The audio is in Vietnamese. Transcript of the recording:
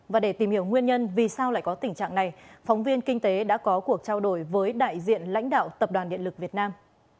và để tìm hiểu nguyên nhân vì sao lại có tình trạng này phóng viên kinh tế đã có cuộc trao đổi với đại diện lãnh đạo tập đoàn điện lực việt nam